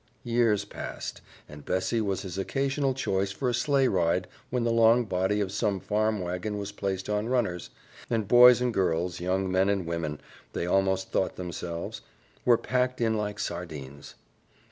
Years passed, and Bessie was his occasional choice for a sleigh ride when the long body of some farm wagon was placed on runners, and boys and girls young men and women, they almost thought themselves were packed in like sardines.